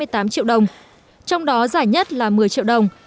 ba mươi tám triệu đồng trong đó giải nhất là một mươi triệu đồng